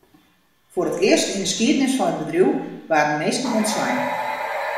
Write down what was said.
Foar it earst yn 'e skiednis fan it bedriuw waarden minsken ûntslein.